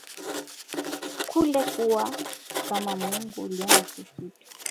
Kule kuwa kama Mungu uliona si kitu.